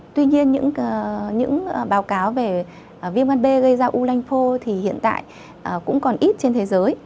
tuy nhiên những báo cáo về viêm gan b gây ra u lanh phô thì hiện tại cũng còn ít trên thế giới